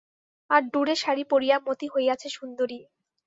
আর ডুরে শাড়ি পরিয়া মতি হইয়াছে সুন্দরী।